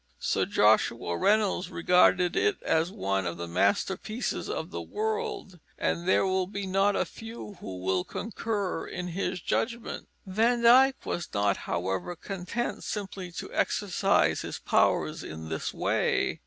Sir Joshua Reynolds regarded it as one of the masterpieces of the world, and there will be not a few who will concur in his judgment. Van Dyck was not, however, content simply to exercise his powers in this way.